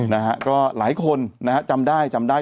นะฮะก็หลายคนจำได้